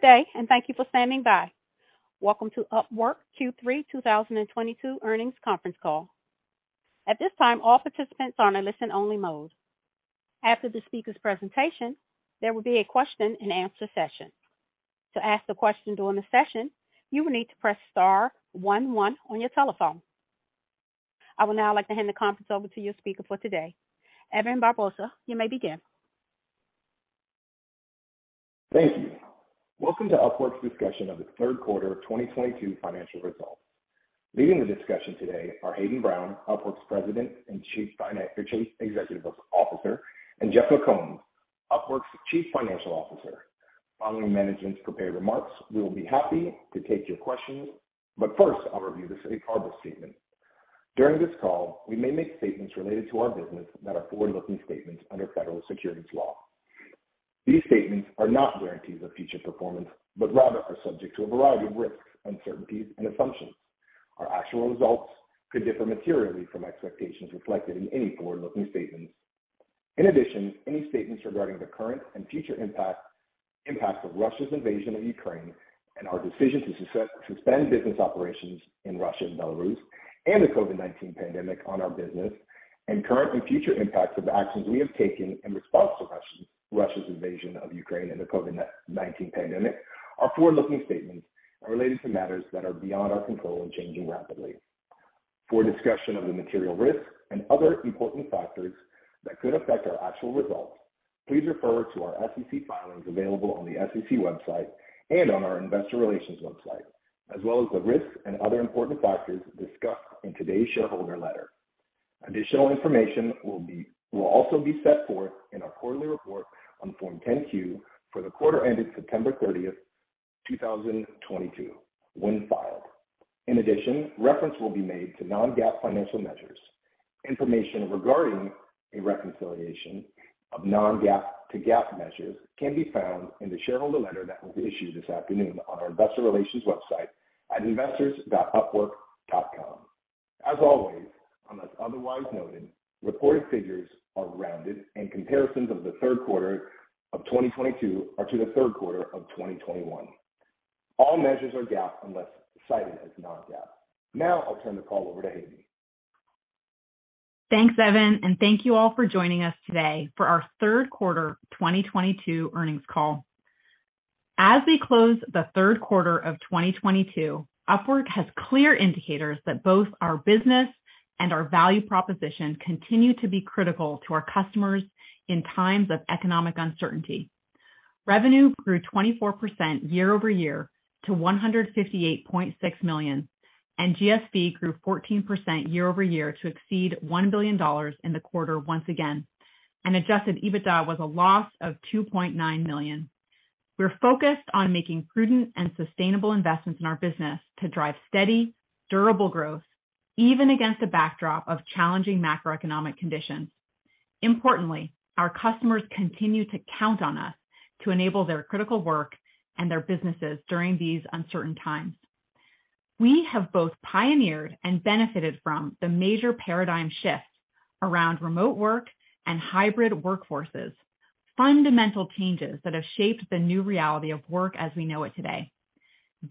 Good day, and thank you for standing by. Welcome to Upwork Q3 2022 Earnings Conference Call. At this time, all participants are in a listen-only mode. After the speaker's presentation, there will be a question-and-answer session. To ask the question during the session, you will need to press star 1 1 on your telephone. I would now like to hand the conference over to your speaker for today. Evan Barbosa, you may begin. Thank you. Welcome to Upwork's discussion of the third quarter of 2022 financial results. Leading the discussion today are Hayden Brown, Upwork's President and Chief Executive Officer, and Jeff McCombs, Upwork's Chief Financial Officer. Following management's prepared remarks, we will be happy to take your questions, but first I'll review the safe harbor statement. During this call, we may make statements related to our business that are forward-looking statements under federal securities law. These statements are not guarantees of future performance, but rather are subject to a variety of risks, uncertainties and assumptions. Our actual results could differ materially from expectations reflected in any forward-looking statements. In addition, any statements regarding the current and future impact of Russia's invasion of Ukraine and our decision to suspend business operations in Russia and Belarus and the COVID-19 pandemic on our business and current and future impacts of actions we have taken in response to Russia's invasion of Ukraine and the COVID-19 pandemic are forward-looking statements and related to matters that are beyond our control and changing rapidly. For a discussion of the material risks and other important factors that could affect our actual results, please refer to our SEC filings available on the SEC website and on our investor relations website, as well as the risks and other important factors discussed in today's shareholder letter. Additional information will also be set forth in our quarterly report on Form 10-Q for the quarter ended September 30, 2022 when filed. In addition, reference will be made to non-GAAP financial measures. Information regarding a reconciliation of non-GAAP to GAAP measures can be found in the shareholder letter that will be issued this afternoon on our investor relations website at investors.upwork.com. As always, unless otherwise noted, reported figures are rounded and comparisons of the third quarter of 2022 are to the third quarter of 2021. All measures are GAAP unless cited as non-GAAP. Now I'll turn the call over to Hayden. Thanks, Evan, and thank you all for joining us today for our third quarter 2022 earnings call. As we close the third quarter of 2022, Upwork has clear indicators that both our business and our value proposition continue to be critical to our customers in times of economic uncertainty. Revenue grew 24% year-over-year to $158.6 million, and GSV grew 14% year-over-year to exceed $1 billion in the quarter once again. Adjusted EBITDA was a loss of $2.9 million. We're focused on making prudent and sustainable investments in our business to drive steady, durable growth even against a backdrop of challenging macroeconomic conditions. Importantly, our customers continue to count on us to enable their critical work and their businesses during these uncertain times. We have both pioneered and benefited from the major paradigm shifts around remote work and hybrid workforces, fundamental changes that have shaped the new reality of work as we know it today.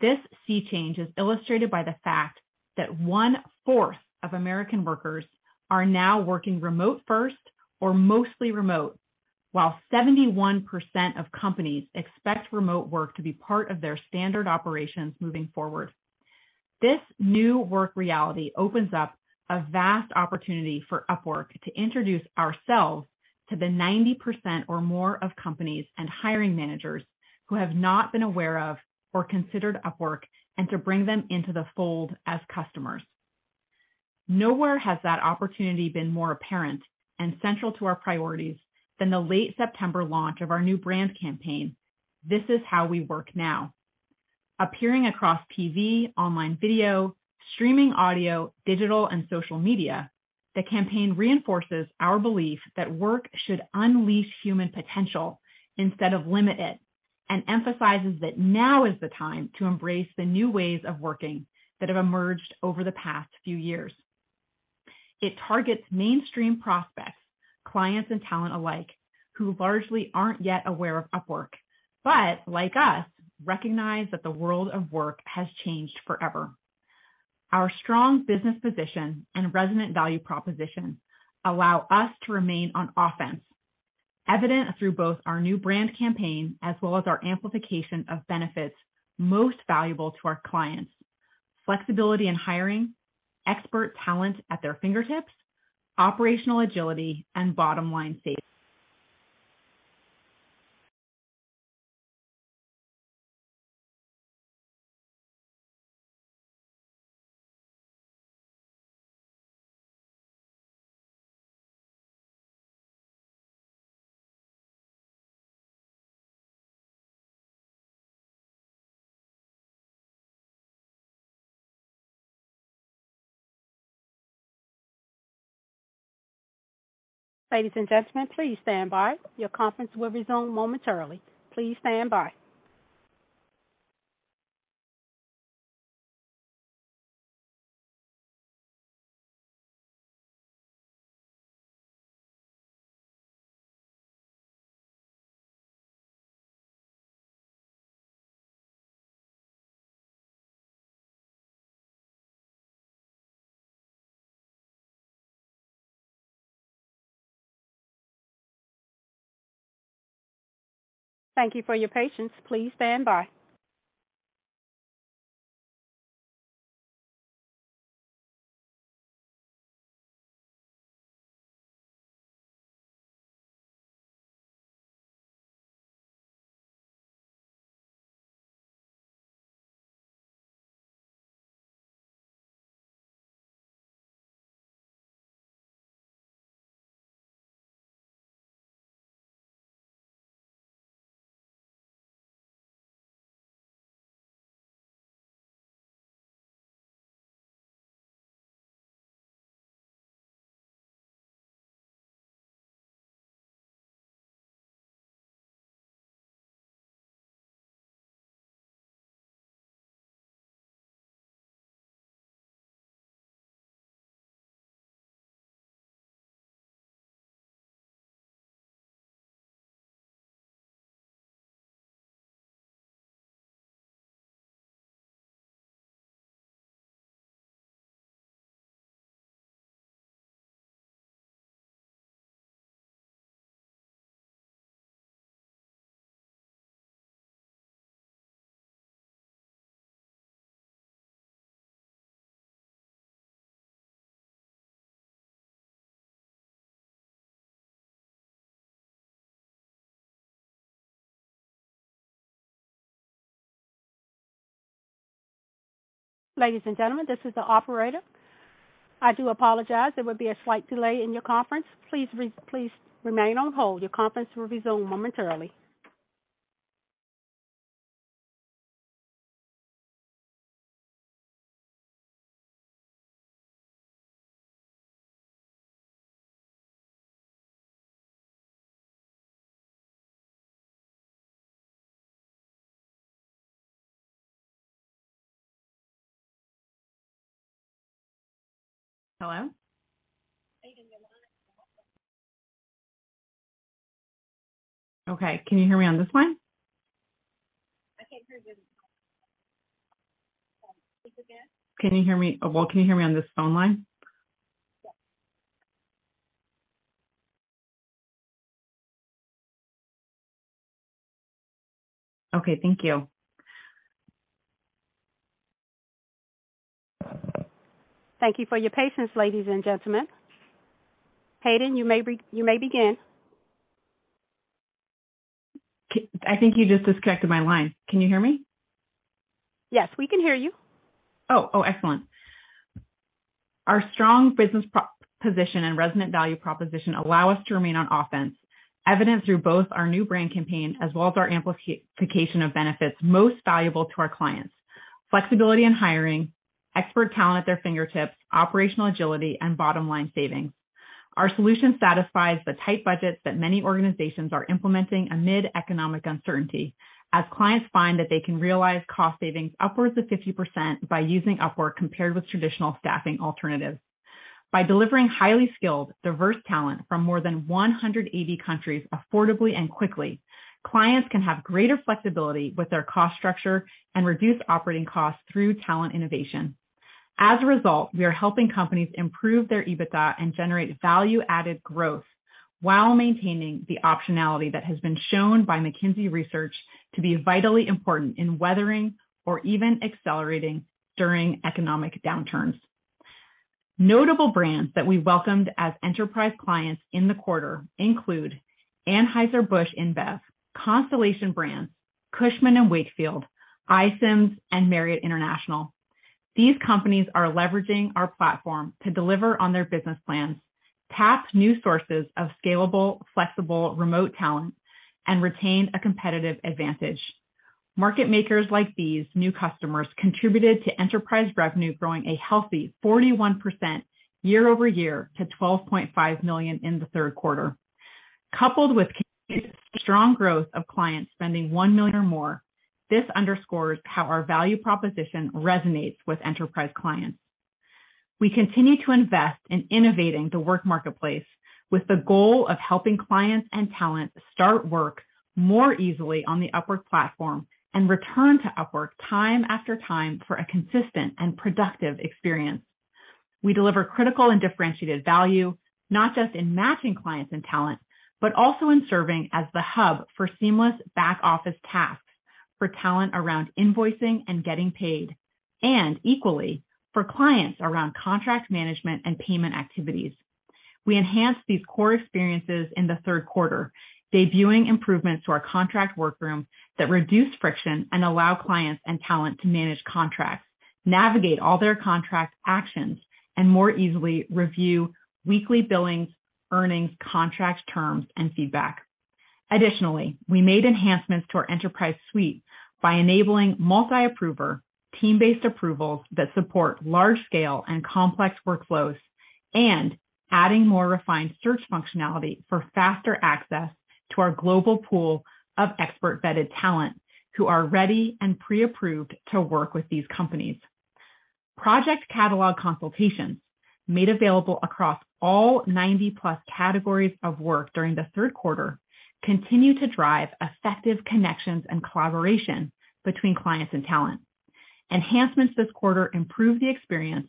This sea change is illustrated by the fact that one-fourth of American workers are now working remote first or mostly remote, while 71% of companies expect remote work to be part of their standard operations moving forward. This new work reality opens up a vast opportunity for Upwork to introduce ourselves to the 90% or more of companies and hiring managers who have not been aware of or considered Upwork and to bring them into the fold as customers. Nowhere has that opportunity been more apparent and central to our priorities than the late September launch of our new brand campaign, This Is How We Work Now. Appearing across TV, online video, streaming audio, digital and social media, the campaign reinforces our belief that work should unleash human potential instead of limit it, and emphasizes that now is the time to embrace the new ways of working that have emerged over the past few years. It targets mainstream prospects, clients and talent alike, who largely aren't yet aware of Upwork, but like us, recognize that the world of work has changed forever. Our strong business position and resonant value proposition allow us to remain on offense, evident through both our new brand campaign as well as our amplification of benefits most valuable to our clients, flexibility in hiring, expert talent at their fingertips, operational agility and bottom line savings. Ladies and gentlemen, please stand by. Your conference will resume momentarily. Please stand by. Thank you for your patience. Please stand by. Hello? Hayden, you're on. Okay. Can you hear me on this one? I can't hear you. Please begin. Well, can you hear me on this phone line? Yes. Okay. Thank you. Thank you for your patience, ladies and gentlemen. Hayden, you may begin. I think you just disconnected my line. Can you hear me? Yes, we can hear you. Excellent. Our strong business pro-position and resonant value proposition allow us to remain on offense, evidenced through both our new brand campaign as well as our amplification of benefits most valuable to our clients. Flexibility in hiring, expert talent at their fingertips, operational agility, and bottom-line savings. Our solution satisfies the tight budgets that many organizations are implementing amid economic uncertainty as clients find that they can realize cost savings upwards of 50% by using Upwork compared with traditional staffing alternatives. By delivering highly skilled, diverse talent from more than 180 countries affordably and quickly, clients can have greater flexibility with their cost structure and reduce operating costs through talent innovation. As a result, we are helping companies improve their EBITDA and generate value-added growth while maintaining the optionality that has been shown by McKinsey research to be vitally important in weathering or even accelerating during economic downturns. Notable brands that we welcomed as enterprise clients in the quarter include Anheuser-Busch InBev, Constellation Brands, Cushman & Wakefield, iCIMS, and Marriott International. These companies are leveraging our platform to deliver on their business plans, tap new sources of scalable, flexible, remote talent, and retain a competitive advantage. Market makers like these new customers contributed to enterprise revenue growing a healthy 41% year-over-year to $12.5 million in the third quarter. Coupled with strong growth of clients spending $1 million or more, this underscores how our value proposition resonates with enterprise clients. We continue to invest in innovating the work marketplace with the goal of helping clients and talent start work more easily on the Upwork platform and return to Upwork time after time for a consistent and productive experience. We deliver critical and differentiated value not just in matching clients and talent, but also in serving as the hub for seamless back-office tasks for talent around invoicing and getting paid, and equally for clients around contract management and payment activities. We enhanced these core experiences in the third quarter, debuting improvements to our contract workroom that reduce friction and allow clients and talent to manage contracts, navigate all their contract actions, and more easily review weekly billings, earnings, contract terms, and feedback. Additionally, we made enhancements to our enterprise suite by enabling multi-approver team-based approvals that support large scale and complex workflows and adding more refined search functionality for faster access to our global pool of expert-vetted talent who are ready and pre-approved to work with these companies. Project Catalog consultations made available across all 90+ categories of work during the third quarter continue to drive effective connections and collaboration between clients and talent. Enhancements this quarter improve the experience,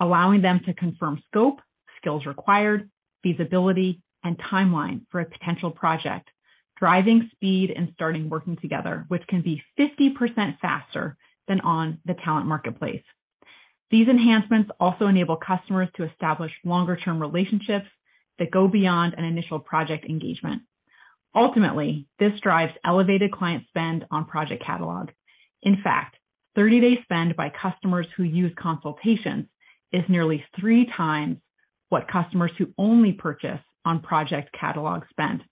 allowing them to confirm scope, skills required, feasibility and timeline for a potential project, driving speed and starting working together, which can be 50% faster than on the Talent Marketplace. These enhancements also enable customers to establish longer-term relationships that go beyond an initial project engagement. Ultimately, this drives elevated client spend on Project Catalog. In fact, 30-day spend by customers who use consultations is nearly 3 times what customers who only purchase on Project Catalog spend.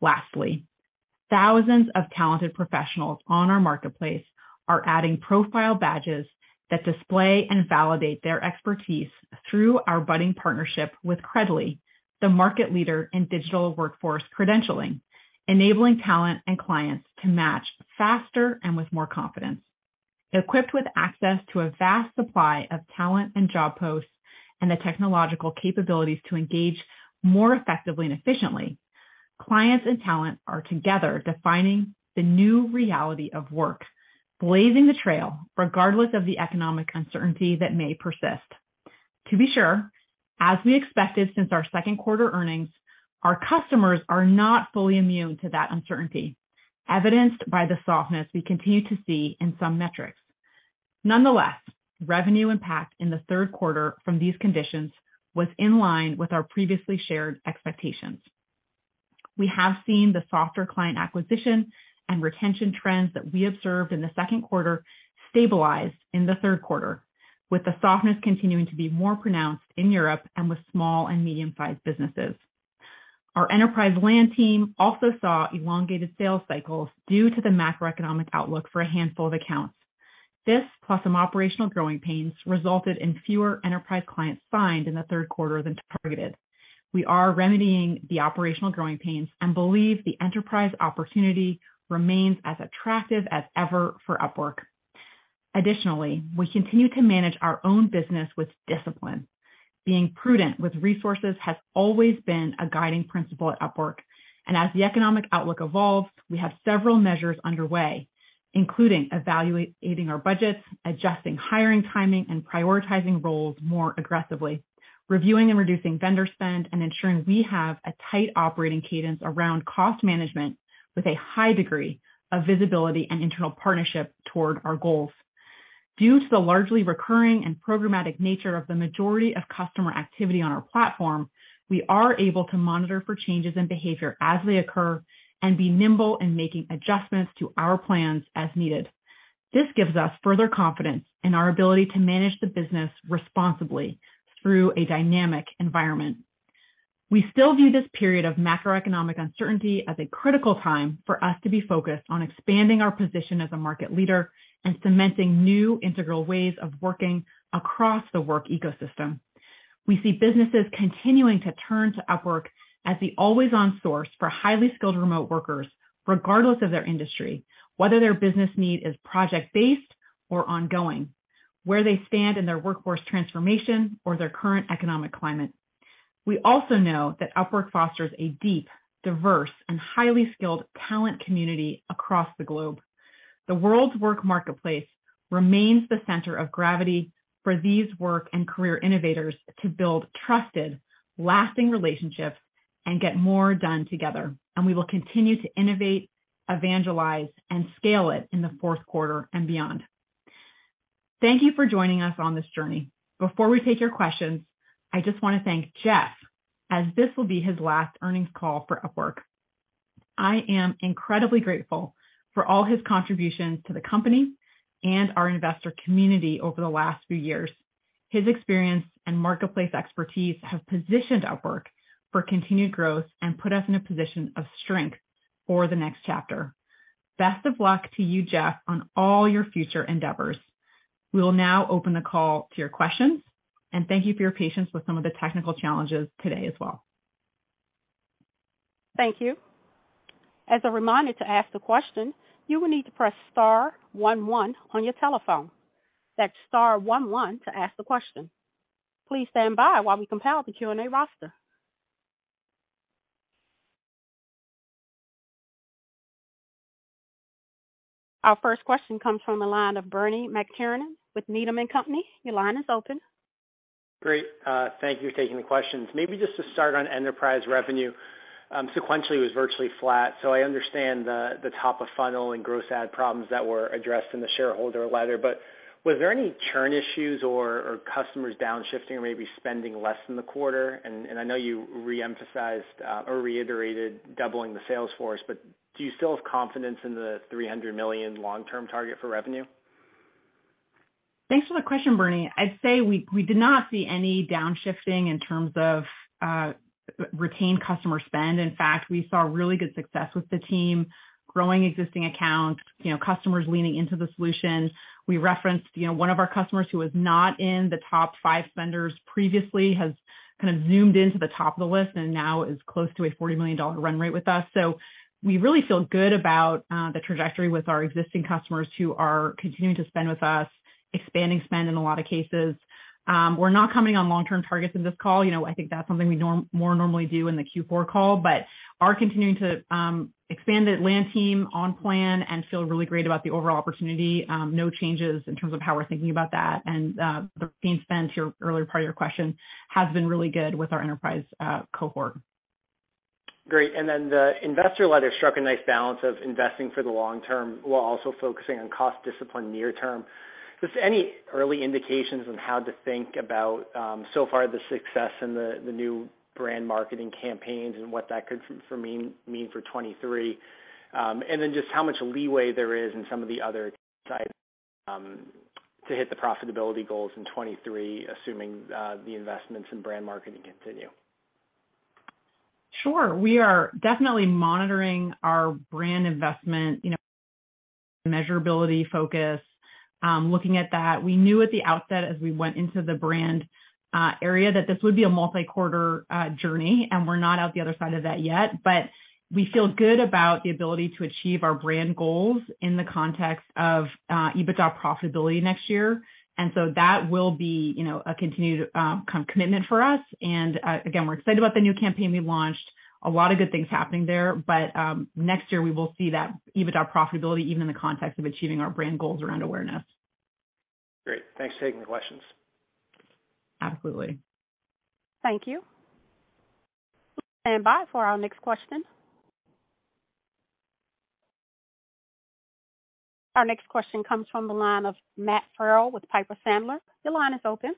Lastly, thousands of talented professionals on our marketplace are adding profile badges that display and validate their expertise through our budding partnership with Credly, the market leader in digital workforce credentialing, enabling talent and clients to match faster and with more confidence. Equipped with access to a vast supply of talent and job posts and the technological capabilities to engage more effectively and efficiently, clients and talent are together defining the new reality of work, blazing the trail regardless of the economic uncertainty that may persist. To be sure, as we expected since our second quarter earnings, our customers are not fully immune to that uncertainty, evidenced by the softness we continue to see in some metrics. Nonetheless, revenue impact in the third quarter from these conditions was in line with our previously shared expectations. We have seen the softer client acquisition and retention trends that we observed in the second quarter stabilize in the third quarter, with the softness continuing to be more pronounced in Europe and with small and medium-sized businesses. Our enterprise land team also saw elongated sales cycles due to the macroeconomic outlook for a handful of accounts. This, plus some operational growing pains, resulted in fewer enterprise clients signed in the third quarter than targeted. We are remedying the operational growing pains and believe the enterprise opportunity remains as attractive as ever for Upwork. Additionally, we continue to manage our own business with discipline. Being prudent with resources has always been a guiding principle at Upwork, and as the economic outlook evolves, we have several measures underway, including evaluating our budgets, adjusting hiring timing and prioritizing roles more aggressively, reviewing and reducing vendor spend, and ensuring we have a tight operating cadence around cost management with a high degree of visibility and internal partnership toward our goals. Due to the largely recurring and programmatic nature of the majority of customer activity on our platform, we are able to monitor for changes in behavior as they occur and be nimble in making adjustments to our plans as needed. This gives us further confidence in our ability to manage the business responsibly through a dynamic environment. We still view this period of macroeconomic uncertainty as a critical time for us to be focused on expanding our position as a market leader and cementing new integral ways of working across the work ecosystem. We see businesses continuing to turn to Upwork as the always-on source for highly skilled remote workers, regardless of their industry, whether their business need is project-based or ongoing, where they stand in their workforce transformation or their current economic climate. We also know that Upwork fosters a deep, diverse and highly skilled talent community across the globe. The world's work marketplace remains the center of gravity for these work and career innovators to build trusted, lasting relationships and get more done together, and we will continue to innovate, evangelize, and scale it in the fourth quarter and beyond. Thank you for joining us on this journey. Before we take your questions, I just want to thank Jeff, as this will be his last earnings call for Upwork. I am incredibly grateful for all his contributions to the company and our investor community over the last few years. His experience and marketplace expertise have positioned Upwork for continued growth and put us in a position of strength for the next chapter. Best of luck to you, Jeff, on all your future endeavors. We will now open the call to your questions. Thank you for your patience with some of the technical challenges today as well. Thank you. As a reminder to ask the question, you will need to press star 1 1 on your telephone. That's star 1 1 to ask the question. Please stand by while we compile the Q&A roster. Our first question comes from the line of Bernie McTernan with Needham & Company. Your line is open. Great. Thank you for taking the questions. Maybe just to start on enterprise revenue, sequentially was virtually flat. I understand the top of funnel and gross add problems that were addressed in the shareholder letter. Was there any churn issues or customers downshifting or maybe spending less in the quarter? I know you reemphasized or reiterated doubling the sales force, but do you still have confidence in the $300 million long-term target for revenue? Thanks for the question, Bernie. I'd say we did not see any downshifting in terms of retained customer spend. In fact, we saw really good success with the team growing existing accounts, you know, customers leaning into the solution. We referenced, you know, one of our customers who was not in the top five spenders previously has kind of zoomed into the top of the list and now is close to a $40 million run rate with us. So we really feel good about the trajectory with our existing customers who are continuing to spend with us. Expanding spend in a lot of cases. We're not commenting on long-term targets in this call. You know, I think that's something we normally do in the Q4 call, but are continuing to expand the land team on plan and feel really great about the overall opportunity. No changes in terms of how we're thinking about that. The team spend to your earlier part of your question has been really good with our enterprise cohort. Great. The investor letter struck a nice balance of investing for the long term while also focusing on cost discipline near term. Just any early indications on how to think about so far the success in the new brand marketing campaigns and what that could mean for 2023? Just how much leeway there is in some of the other sides to hit the profitability goals in 2023, assuming the investments in brand marketing continue. Sure. We are definitely monitoring our brand investment, you know, measurability focus, looking at that. We knew at the outset as we went into the brand area that this would be a multi-quarter journey, and we're not out the other side of that yet. We feel good about the ability to achieve our brand goals in the context of EBITDA profitability next year. That will be, you know, a continued commitment for us. Again, we're excited about the new campaign we launched. A lot of good things happening there. Next year, we will see that EBITDA profitability even in the context of achieving our brand goals around awareness. Great. Thanks for taking the questions. Absolutely. Thank you. Stand by for our next question. Our next question comes from the line of Matt Farrell with Piper Sandler. Your line is open.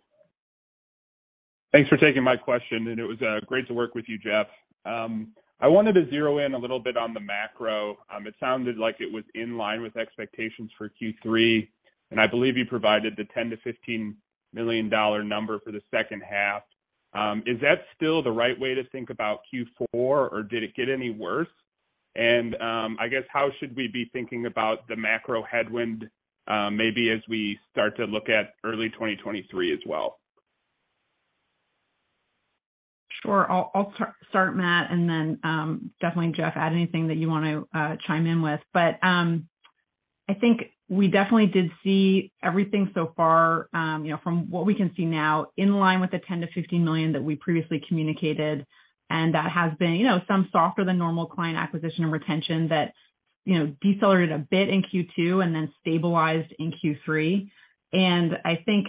Thanks for taking my question, and it was great to work with you, Jeff. I wanted to zero in a little bit on the macro. It sounded like it was in line with expectations for Q3, and I believe you provided the $10 million-$15 million number for the second half. Is that still the right way to think about Q4, or did it get any worse? I guess how should we be thinking about the macro headwind, maybe as we start to look at early 2023 as well? Sure. I'll start, Matt, and then definitely, Jeff, add anything that you wanna chime in with. I think we definitely did see everything so far, you know, from what we can see now in line with the $10 million-$15 million that we previously communicated, and that has been, you know, some softer than normal client acquisition and retention that, you know, decelerated a bit in Q2 and then stabilized in Q3. I think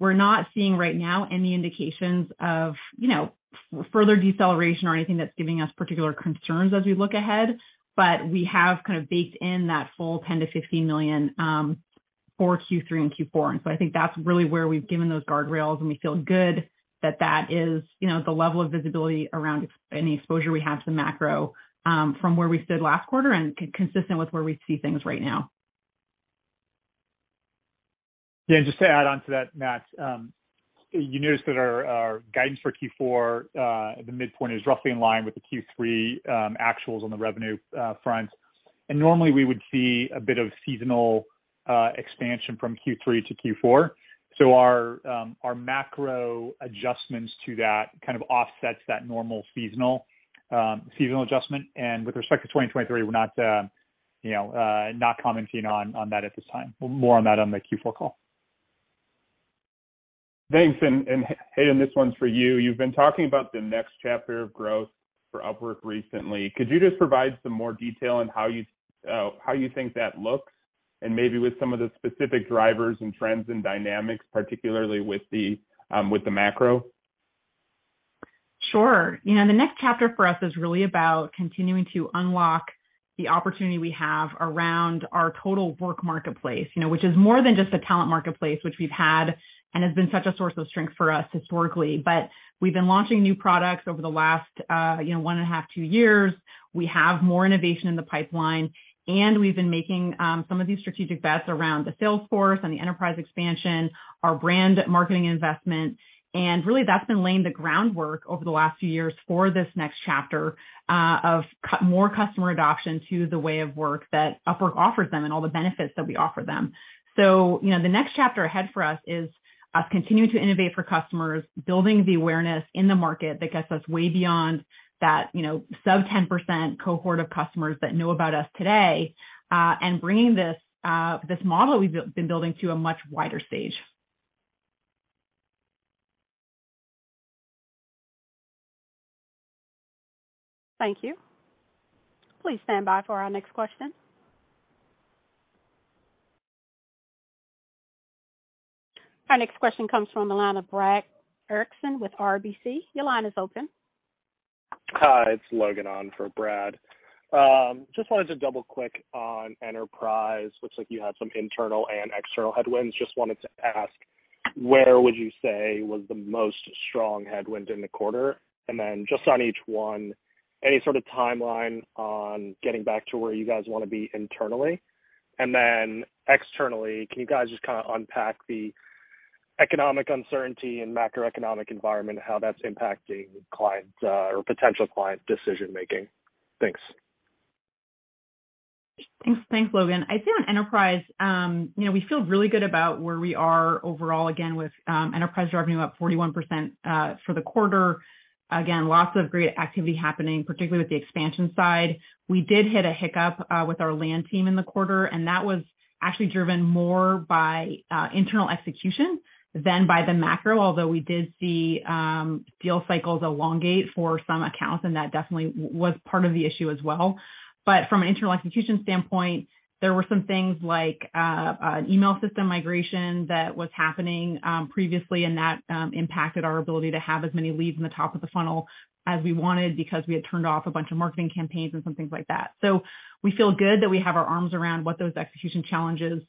we're not seeing right now any indications of, you know, further deceleration or anything that's giving us particular concerns as we look ahead. We have kind of baked in that full $10 million-$15 million for Q3 and Q4. I think that's really where we've given those guardrails, and we feel good that that is, you know, the level of visibility around any exposure we have to the macro, from where we stood last quarter and consistent with where we see things right now. Yeah, just to add on to that, Matt, you noticed that our guidance for Q4, the midpoint is roughly in line with the Q3 actuals on the revenue front. Normally we would see a bit of seasonal expansion from Q3 to Q4. Our macro adjustments to that kind of offsets that normal seasonal adjustment. With respect to 2023, we're not you know not commenting on that at this time. More on that on the Q4 call. Thanks. Hayden, this one's for you. You've been talking about the next chapter of growth for Upwork recently. Could you just provide some more detail on how you think that looks and maybe with some of the specific drivers and trends and dynamics, particularly with the macro? Sure. You know, the next chapter for us is really about continuing to unlock the opportunity we have around our total work marketplace, you know, which is more than just a talent marketplace, which we've had and has been such a source of strength for us historically. We've been launching new products over the last, you know, one and a half, two years. We have more innovation in the pipeline, and we've been making some of these strategic bets around the sales force and the enterprise expansion, our brand marketing investment. Really that's been laying the groundwork over the last few years for this next chapter of customer adoption to the way of work that Upwork offers them and all the benefits that we offer them. You know, the next chapter ahead for us is us continuing to innovate for customers, building the awareness in the market that gets us way beyond that, you know, sub-10% cohort of customers that know about us today, and bringing this model we've been building to a much wider stage. Thank you. Please stand by for our next question. Our next question comes from the line of Brad Erickson with RBC. Your line is open. Hi, it's Logan on for Brad. Just wanted to double-click on enterprise. Looks like you had some internal and external headwinds. Just wanted to ask, where would you say was the most strong headwind in the quarter? And then just on each one, any sort of timeline on getting back to where you guys wanna be internally? And then externally, can you guys just kinda unpack the economic uncertainty and macroeconomic environment, how that's impacting clients' or potential client decision-making? Thanks. Thanks. Thanks, Logan. I'd say on enterprise, you know, we feel really good about where we are overall, again with enterprise revenue up 41%, for the quarter. Again, lots of great activity happening, particularly with the expansion side. We did hit a hiccup with our land team in the quarter, and that was actually driven more by internal execution than by the macro, although we did see deal cycles elongate for some accounts, and that definitely was part of the issue as well. From an internal execution standpoint, there were some things like an email system migration that was happening previously, and that impacted our ability to have as many leads in the top of the funnel as we wanted because we had turned off a bunch of marketing campaigns and some things like that. We feel good that we have our arms around what those execution challenges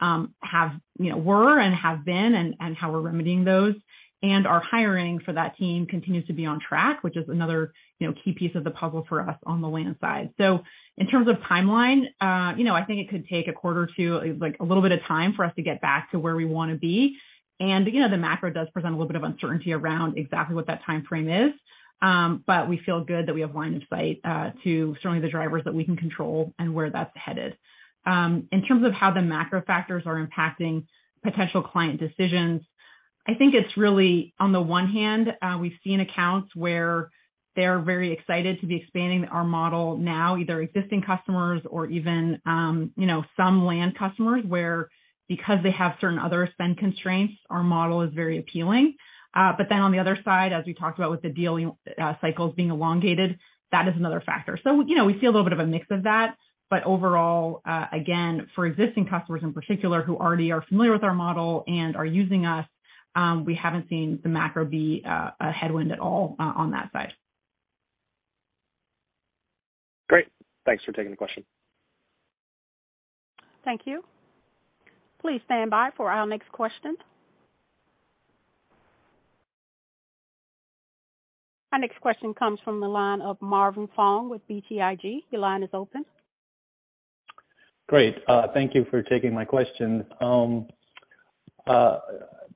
have been and how we're remedying those. Our hiring for that team continues to be on track, which is another, you know, key piece of the puzzle for us on the land side. In terms of timeline, you know, I think it could take a quarter to like a little bit of time for us to get back to where we wanna be. You know, the macro does present a little bit of uncertainty around exactly what that timeframe is. We feel good that we have line of sight to certainly the drivers that we can control and where that's headed. In terms of how the macro factors are impacting potential client decisions, I think it's really on the one hand, we've seen accounts where they're very excited to be expanding our model now, either existing customers or even, you know, some land customers where because they have certain other spend constraints, our model is very appealing. Then on the other side, as we talked about with the deal, cycles being elongated, that is another factor. You know, we see a little bit of a mix of that. Overall, again, for existing customers in particular who already are familiar with our model and are using us, we haven't seen the macro be a headwind at all, on that side. Great. Thanks for taking the question. Thank you. Please stand by for our next question. Our next question comes from the line of Marvin Fong with BTIG. Your line is open. Great. Thank you for taking my question.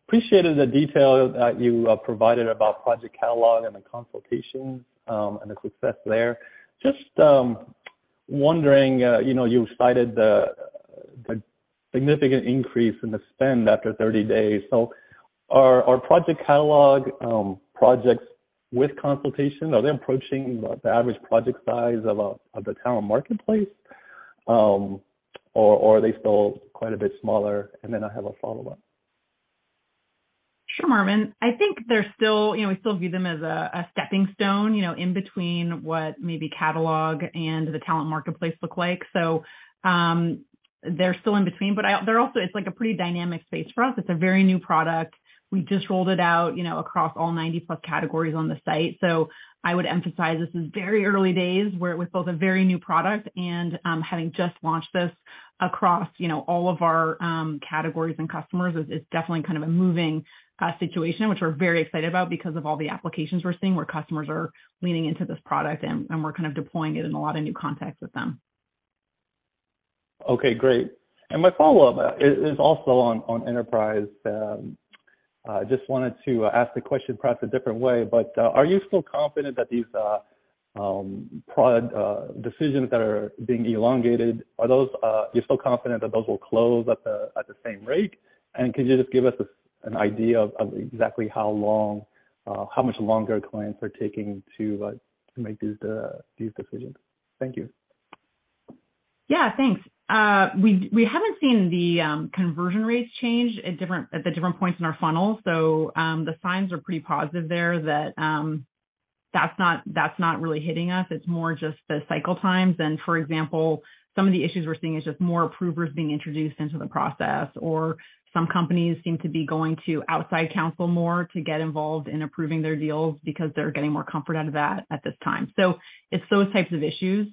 Appreciated the detail that you provided about Project Catalog and the consultation, and the success there. Just wondering, you know, you've cited the significant increase in the spend after 30 days. Are Project Catalog projects with consultation approaching the average project size of the talent marketplace? Or are they still quite a bit smaller? Then I have a follow-up. Sure, Marvin. I think they're still. You know, we still view them as a stepping stone, you know, in between what maybe Catalog and the Talent Marketplace look like. They're still in between, but they're also, it's like a pretty dynamic space for us. It's a very new product. We just rolled it out, you know, across all 90+ categories on the site. I would emphasize this is very early days where it was both a very new product and having just launched this across, you know, all of our categories and customers is definitely kind of a moving situation, which we're very excited about because of all the applications we're seeing where customers are leaning into this product and we're kind of deploying it in a lot of new contexts with them. Okay, great. My follow-up is also on enterprise. Just wanted to ask the question perhaps a different way. Are you still confident that these decisions that are being elongated will close at the same rate? Could you just give us an idea of exactly how much longer clients are taking to make these decisions? Thank you. Yeah, thanks. We haven't seen the conversion rates change at the different points in our funnel. The signs are pretty positive there that that's not really hitting us. It's more just the cycle times. For example, some of the issues we're seeing is just more approvers being introduced into the process or some companies seem to be going to outside counsel more to get involved in approving their deals because they're getting more comfort out of that at this time. It's those types of issues,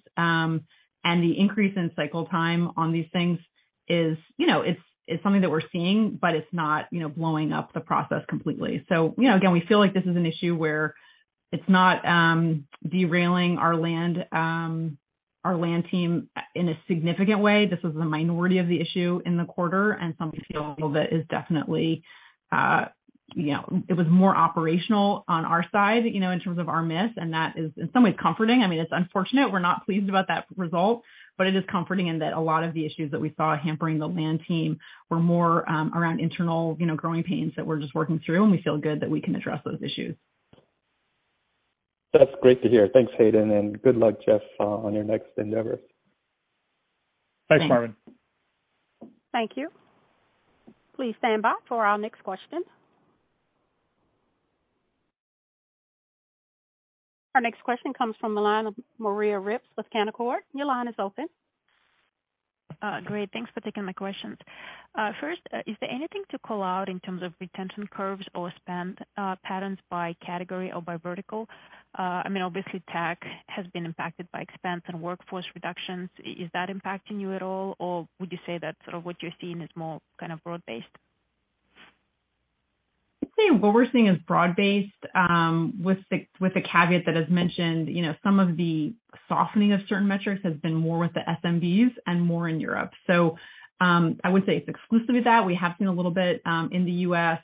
and the increase in cycle time on these things is, you know, it's something that we're seeing, but it's not, you know, blowing up the process completely. You know, again, we feel like this is an issue where it's not derailing our land team in a significant way. This is the minority of the issue in the quarter and something we feel a little bit is definitely it was more operational on our side in terms of our miss, and that is in some ways comforting. I mean, it's unfortunate. We're not pleased about that result, but it is comforting in that a lot of the issues that we saw hampering the land team were more around internal growing pains that we're just working through, and we feel good that we can address those issues. That's great to hear. Thanks, Hayden, and good luck, Jeff, on your next endeavor. Thanks, Marvin. Thank you. Please stand by for our next question. Our next question comes from the line of Maria Ripps with Canaccord. Your line is open. Great. Thanks for taking my questions. First, is there anything to call out in terms of retention curves or spend patterns by category or by vertical? I mean, obviously tech has been impacted by expense and workforce reductions. Is that impacting you at all? Or would you say that sort of what you're seeing is more kind of broad-based? I'd say what we're seeing is broad-based, with the caveat that as mentioned, you know, some of the softening of certain metrics has been more with the SMBs and more in Europe. I would say it's exclusive of that. We have seen a little bit in the U.S.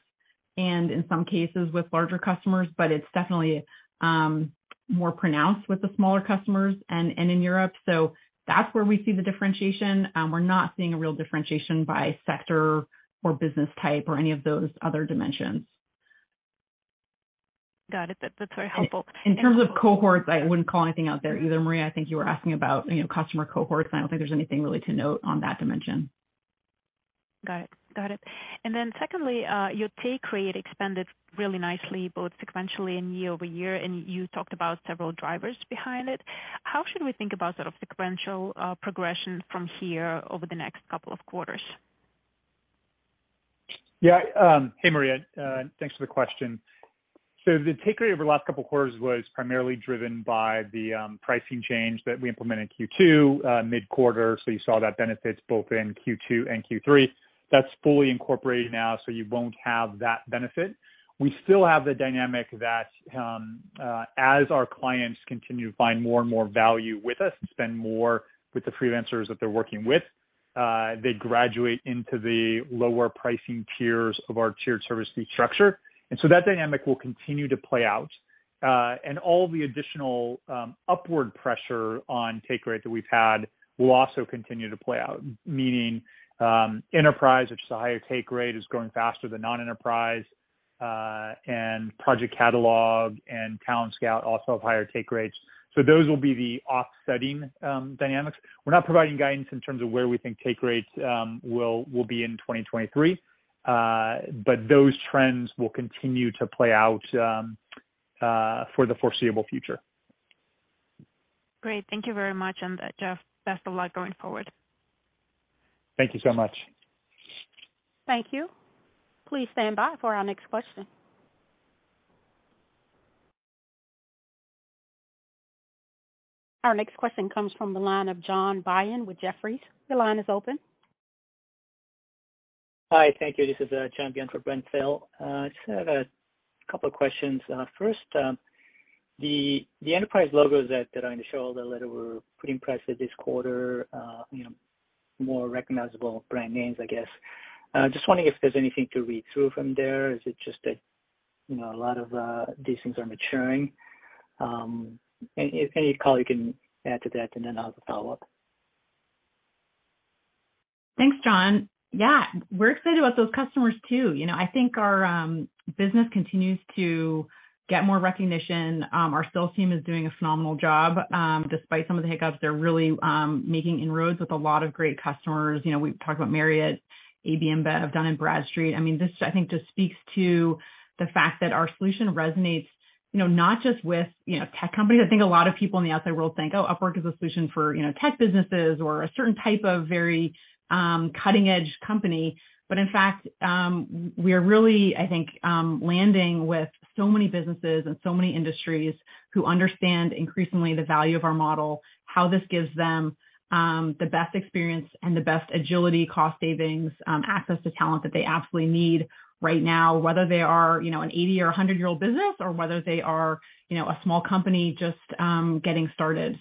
and in some cases with larger customers, but it's definitely more pronounced with the smaller customers and in Europe. That's where we see the differentiation. We're not seeing a real differentiation by sector or business type or any of those other dimensions. Got it. That's very helpful. In terms of cohorts, I wouldn't call anything out there either, Maria. I think you were asking about, you know, customer cohorts, and I don't think there's anything really to note on that dimension. Got it. Secondly, your take rate expanded really nicely both sequentially and year-over-year, and you talked about several drivers behind it. How should we think about sort of sequential progression from here over the next couple of quarters? Yeah. Hey, Maria, thanks for the question. The take rate over the last couple quarters was primarily driven by the pricing change that we implemented Q2 mid-quarter. You saw that benefits both in Q2 and Q3. That's fully incorporated now, so you won't have that benefit. We still have the dynamic that as our clients continue to find more and more value with us and spend more with the freelancers that they're working with, they graduate into the lower pricing tiers of our tiered service fee structure. That dynamic will continue to play out. All the additional upward pressure on take rate that we've had will also continue to play out, meaning enterprise, which is a higher take rate, is growing faster than non-enterprise, and Project Catalog and Talent Scout also have higher take rates. Those will be the offsetting dynamics. We're not providing guidance in terms of where we think take rates will be in 2023, but those trends will continue to play out for the foreseeable future. Great. Thank you very much. Jeff, best of luck going forward. Thank you so much. Thank you. Please stand by for our next question. Our next question comes from the line of John Byun with Jefferies. Your line is open. Hi. Thank you. This is John Byun for Brent Thill. Just have a couple of questions. First, the enterprise logos that are in the slideshow a little later were pretty impressive this quarter, you know, more recognizable brand names, I guess. Just wondering if there's anything to read into from there. Is it just that, you know, a lot of these things are maturing? Any color you can add to that, and then I'll have a follow-up. Thanks, John. Yeah, we're excited about those customers too. You know, I think our business continues to get more recognition. Our sales team is doing a phenomenal job, despite some of the hiccups. They're really making inroads with a lot of great customers. You know, we've talked about Marriott, AB InBev, Dun & Bradstreet. I mean, this I think just speaks to the fact that our solution resonates, you know, not just with, you know, tech companies. I think a lot of people in the outside world think, oh, Upwork is a solution for, you know, tech businesses or a certain type of very cutting edge company. In fact, we are really, I think, landing with so many businesses and so many industries who understand increasingly the value of our model, how this gives them the best experience and the best agility, cost savings, access to talent that they absolutely need right now, whether they are, you know, an 80- or 100-year-old business or whether they are, you know, a small company just getting started.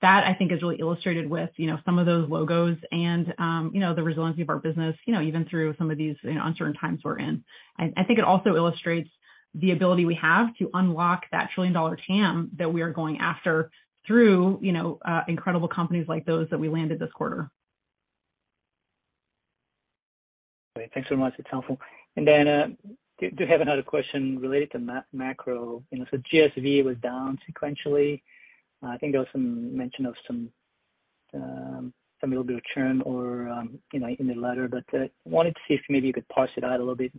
That, I think, is really illustrated with, you know, some of those logos and, you know, the resiliency of our business, you know, even through some of these, you know, uncertain times we're in. I think it also illustrates the ability we have to unlock that trillion-dollar TAM that we are going after through, you know, incredible companies like those that we landed this quarter. Great. Thanks so much. That's helpful. I do have another question related to macro. You know, so GSV was down sequentially. I think there was some mention of some little bit of churn or, you know, in the letter. I wanted to see if maybe you could parse it out a little bit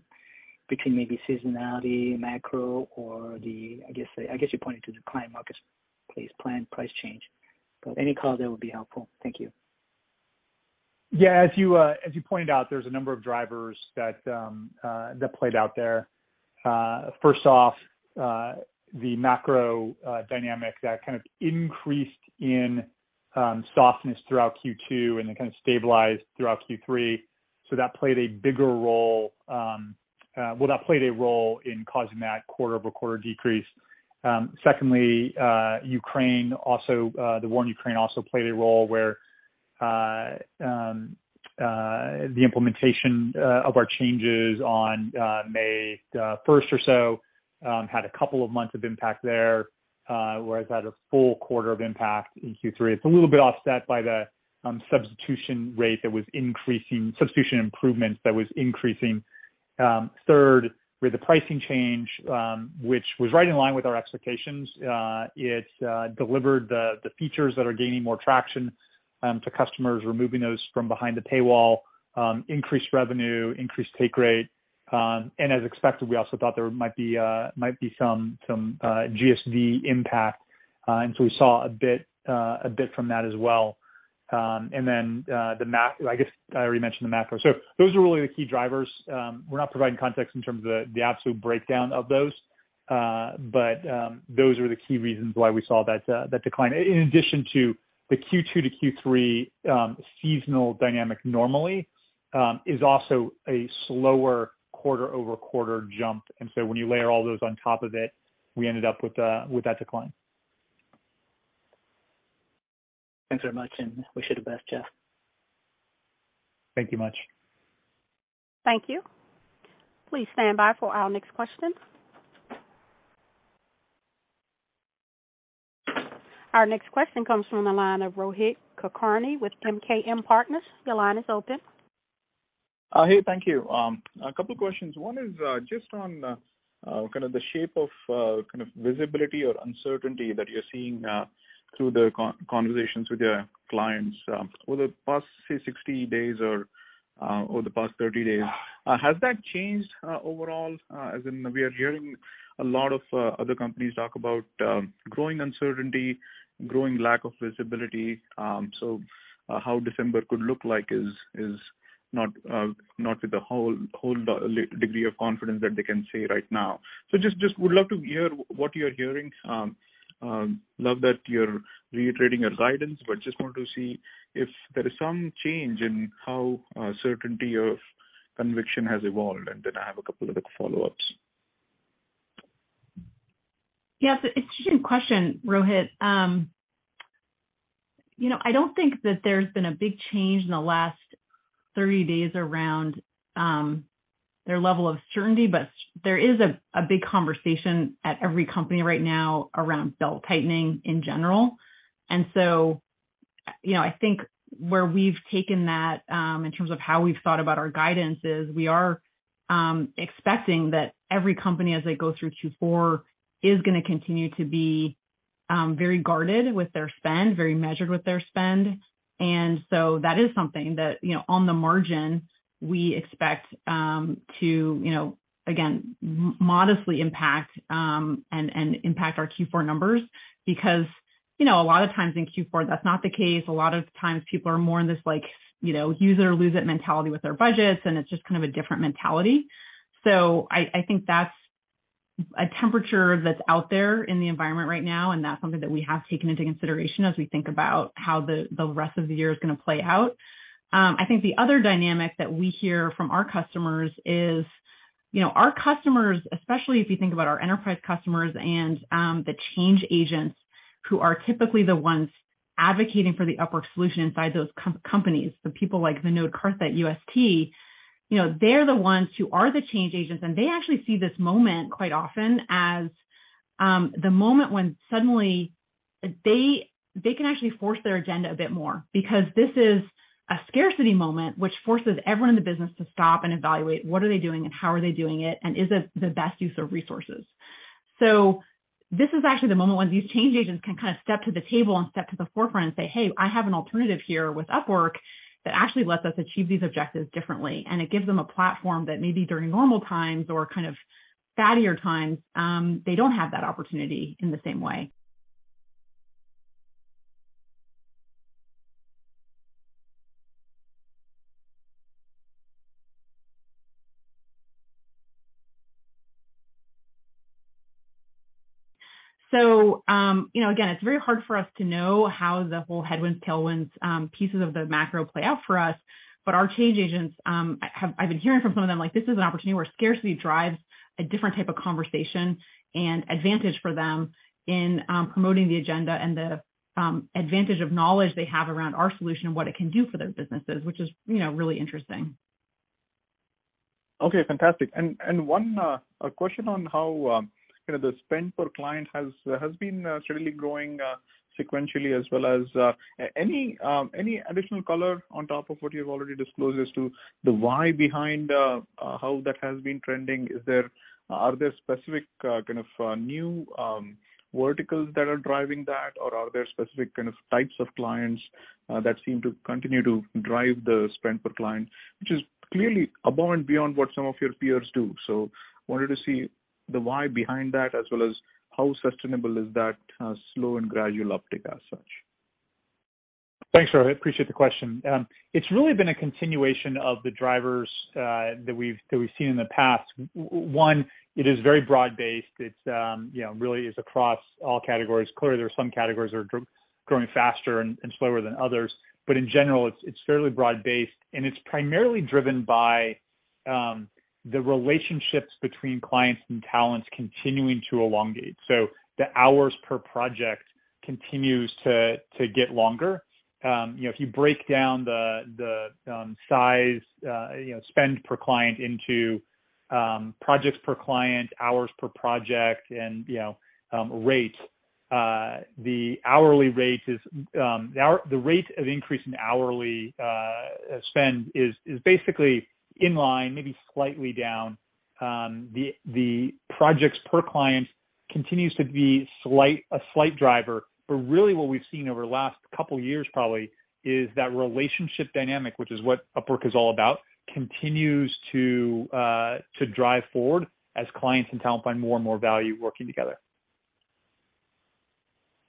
between maybe seasonality, macro or the, I guess you're pointing to the client marketplace plan price change. Any color there would be helpful. Thank you. Yeah. As you pointed out, there's a number of drivers that played out there. First off, the macro dynamic that kind of increased in softness throughout Q2 and then kind of stabilized throughout Q3. That played a role in causing that quarter-over-quarter decrease. Secondly, the war in Ukraine played a role where the implementation of our changes on May first or so had a couple of months of impact there, whereas that had a full quarter of impact in Q3. It's a little bit offset by the substitution improvements that were increasing. Third, with the pricing change, which was right in line with our expectations, it delivered the features that are gaining more traction to customers, removing those from behind the paywall, increased revenue, increased take rate, and as expected, we also thought there might be some GSV impact. We saw a bit from that as well. Then, I guess I already mentioned the macro. Those are really the key drivers. We're not providing context in terms of the absolute breakdown of those, but those are the key reasons why we saw that decline. In addition to the Q2 to Q3 seasonal dynamic, normally, is also a slower quarter-over-quarter jump. When you layer all those on top of it, we ended up with that decline. Thanks very much, and wish you the best, Jeff. Thank you much. Thank you. Please stand by for our next question. Our next question comes from the line of Rohit Kulkarni with MKM Partners. Your line is open. Hey, thank you. A couple of questions. One is just on kind of the shape of kind of visibility or uncertainty that you're seeing through the conversations with your clients over the past say 60 days or over the past 30 days. Has that changed overall? As in we are hearing a lot of other companies talk about growing uncertainty, growing lack of visibility, so how December could look like is not with the whole degree of confidence that they can say right now. Just would love to hear what you're hearing. Love that you're reiterating your guidance, but just want to see if there is some change in how certainty of conviction has evolved. I have a couple other follow-ups. Yeah. It's an interesting question, Rohit. You know, I don't think that there's been a big change in the last 30 days around their level of certainty, but there is a big conversation at every company right now around belt-tightening in general. You know, I think where we've taken that in terms of how we've thought about our guidance is we are expecting that every company as they go through Q4 is gonna continue to be very guarded with their spend, very measured with their spend. That is something that, you know, on the margin we expect to modestly impact and impact our Q4 numbers because, you know, a lot of times in Q4 that's not the case. A lot of times people are more in this like, you know, use it or lose it mentality with their budgets, and it's just kind of a different mentality. I think that's a temperament that's out there in the environment right now, and that's something that we have taken into consideration as we think about how the rest of the year is gonna play out. I think the other dynamic that we hear from our customers is, you know, our customers, especially if you think about our enterprise customers and the change agents who are typically the ones advocating for the Upwork solution inside those companies, the people like Vinod Kartha at UST, you know, they're the ones who are the change agents, and they actually see this moment quite often as the moment when suddenly they can actually force their agenda a bit more. Because this is a scarcity moment which forces everyone in the business to stop and evaluate what are they doing and how are they doing it, and is it the best use of resources. This is actually the moment when these change agents can kind of step to the table and step to the forefront and say, "Hey, I have an alternative here with Upwork that actually lets us achieve these objectives differently." It gives them a platform that maybe during normal times or kind of fatter times, they don't have that opportunity in the same way. You know, again, it's very hard for us to know how the whole headwinds, tailwinds, pieces of the macro play out for us, but our change agents, I have... I've been hearing from some of them, like this is an opportunity where scarcity drives a different type of conversation and advantage for them in promoting the agenda and the advantage of knowledge they have around our solution and what it can do for their businesses, which is, you know, really interesting. Okay, fantastic. One question on how you know the spend per client has been steadily growing sequentially as well as any additional color on top of what you've already disclosed as to the why behind how that has been trending. Are there specific kind of new verticals that are driving that, or are there specific kind of types of clients that seem to continue to drive the spend per client, which is clearly above and beyond what some of your peers do. Wanted to see the why behind that, as well as how sustainable is that slow and gradual uptick as such. Thanks, Rohit. Appreciate the question. It's really been a continuation of the drivers that we've seen in the past. One, it is very broad-based. It's, you know, really across all categories. Clearly, there are some categories that are growing faster and slower than others. In general, it's fairly broad-based, and it's primarily driven by the relationships between clients and talents continuing to elongate. The hours per project continues to get longer. You know, if you break down the size, you know, spend per client into projects per client, hours per project and rate, the hourly rate is the rate of increase in hourly spend is basically in line, maybe slightly down. The projects per client continues to be a slight driver. Really what we've seen over the last couple years probably is that relationship dynamic, which is what Upwork is all about, continues to drive forward as clients and talent find more and more value working together.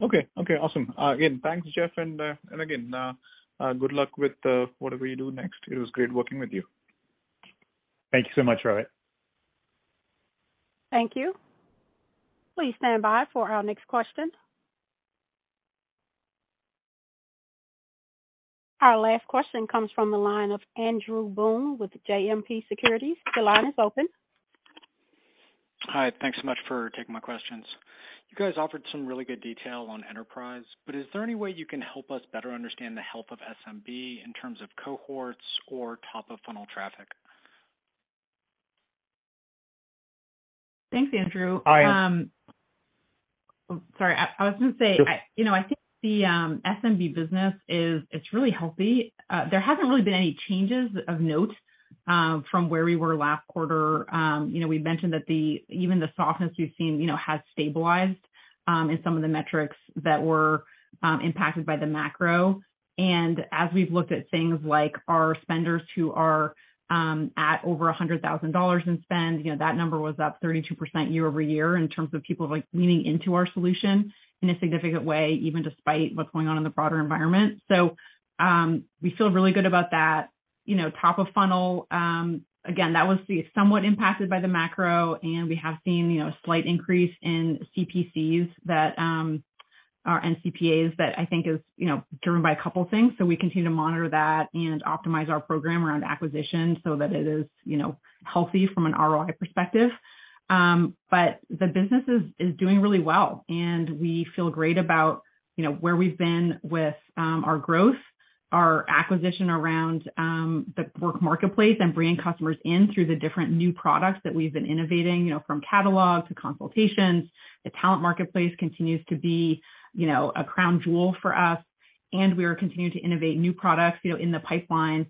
Okay. Okay, awesome. Again, thanks, Jeff. Again, good luck with whatever you do next. It was great working with you. Thank you so much, Rohit. Thank you. Please stand by for our next question. Our last question comes from the line of Andrew Boone with JMP Securities. Your line is open. Hi. Thanks so much for taking my questions. You guys offered some really good detail on enterprise, but is there any way you can help us better understand the health of SMB in terms of cohorts or top of funnel traffic? Thanks, Andrew. Sorry, I was gonna say, you know, I think the SMB business is. It's really healthy. There hasn't really been any changes of note from where we were last quarter. You know, we mentioned that even the softness we've seen has stabilized in some of the metrics that were impacted by the macro. As we've looked at things like our spenders who are at over $100,000 in spend, you know, that number was up 32% year-over-year in terms of people like leaning into our solution in a significant way, even despite what's going on in the broader environment. We feel really good about that. You know, top of funnel, again, that was somewhat impacted by the macro and we have seen, you know, a slight increase in CPCs that our NCPA is, that I think is, you know, driven by a couple things. We continue to monitor that and optimize our program around acquisition so that it is, you know, healthy from an ROI perspective. But the business is doing really well and we feel great about, you know, where we've been with our growth, our acquisition around the work marketplace and bringing customers in through the different new products that we've been innovating, you know, from catalog to consultations. The Talent Marketplace continues to be, you know, a crown jewel for us and we are continuing to innovate new products, you know, in the pipeline,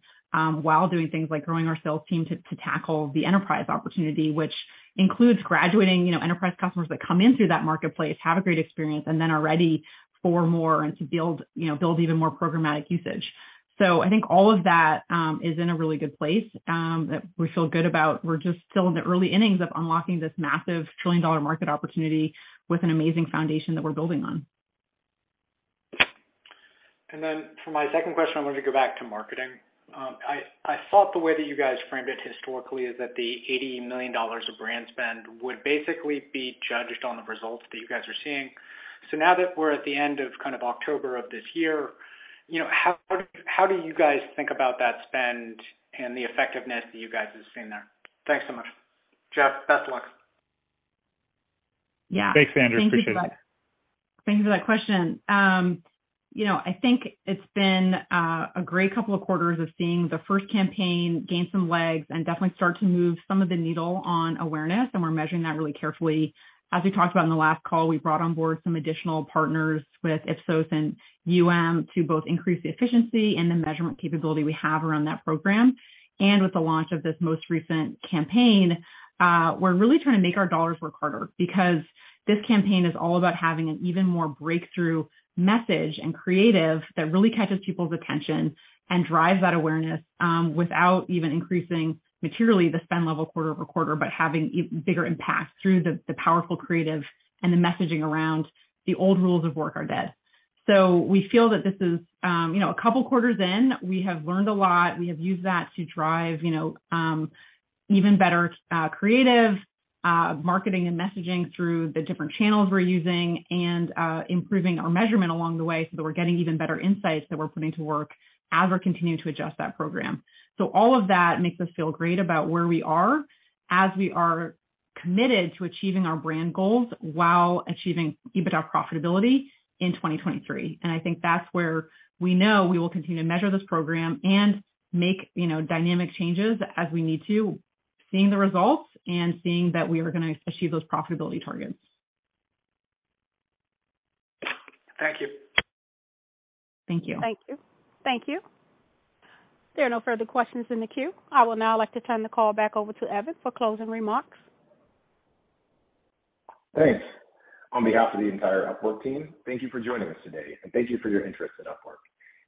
while doing things like growing our sales team to tackle the enterprise opportunity, which includes graduating, you know, enterprise customers that come in through that marketplace, have a great experience, and then are ready for more and to build, you know, build even more programmatic usage. I think all of that is in a really good place that we feel good about. We're just still in the early innings of unlocking this massive trillion-dollar market opportunity with an amazing foundation that we're building on. For my second question, I wanted to go back to marketing. I thought the way that you guys framed it historically is that the $80 million of brand spend would basically be judged on the results that you guys are seeing. Now that we're at the end of kind of October of this year, you know, how do you guys think about that spend and the effectiveness that you guys have seen there? Thanks so much. Jeff, best of luck. Yeah. Thanks, Andrew. Appreciate it. Thank you for that. Thank you for that question. You know, I think it's been a great couple of quarters of seeing the first campaign gain some legs and definitely start to move some of the needle on awareness, and we're measuring that really carefully. As we talked about in the last call, we brought on board some additional partners with Ipsos and UM to both increase the efficiency and the measurement capability we have around that program. With the launch of this most recent campaign, we're really trying to make our dollars work harder because this campaign is all about having an even more breakthrough message and creative that really catches people's attention and drives that awareness, without even increasing materially the spend level quarter-over-quarter, but having bigger impact through the powerful creative and the messaging around the old rules of work are dead. We feel that this is, you know, a couple quarters in, we have learned a lot. We have used that to drive, you know, even better creative, marketing and messaging through the different channels we're using and, improving our measurement along the way so that we're getting even better insights that we're putting to work as we're continuing to adjust that program. All of that makes us feel great about where we are as we are committed to achieving our brand goals while achieving EBITDA profitability in 2023. I think that's where we know we will continue to measure this program and make, you know, dynamic changes as we need to, seeing the results and seeing that we are gonna achieve those profitability targets. Thank you. Thank you. Thank you. There are no further questions in the queue. I would now like to turn the call back over to Evan for closing remarks. Thanks. On behalf of the entire Upwork team, thank you for joining us today, and thank you for your interest in Upwork.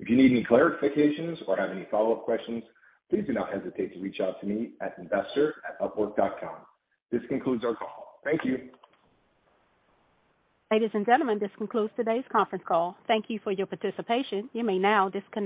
If you need any clarifications or have any follow-up questions, please do not hesitate to reach out to me at investor@upwork.com. This concludes our call. Thank you. Ladies and gentlemen, this concludes today's conference call. Thank you for your participation. You may now disconnect.